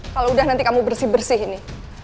kalau udah nanti kamu bersih bersih ini